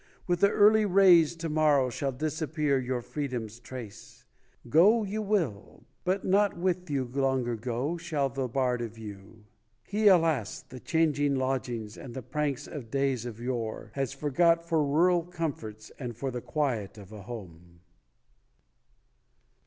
With the early rays to morrow Shall disappear your freedom's trace, Go you will but not with you Longer go shall the bard of you. He alas, the changing lodgings, And the pranks of days of yore Has forgot for rural comforts And for the quiet of a home.